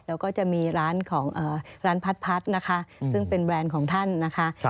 แล้วก็จะมีร้านของร้านพัดนะคะซึ่งเป็นแบรนด์ของท่านนะคะ